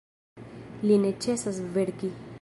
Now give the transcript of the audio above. Li ne ĉesas verki.